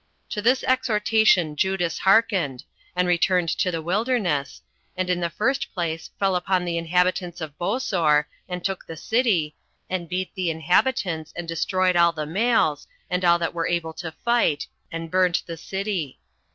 To this exhortation Judas hearkened, and returned to the wilderness; and in the first place fell upon the inhabitants of Bosor, and took the city, and beat the inhabitants, and destroyed all the males, and all that were able to fight, and burnt the city.